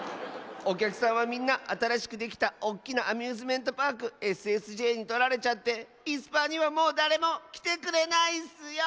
おきゃくさんはみんなあたらしくできたおっきなアミューズメントパークＳＳＪにとられちゃっていすパーにはもうだれもきてくれないッスよ。